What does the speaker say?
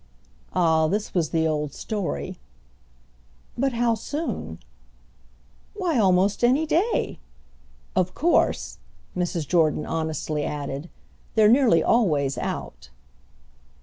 Ah this was the old story. "But how soon?" "Why almost any day. Of course," Mrs. Jordan honestly added, "they're nearly always out."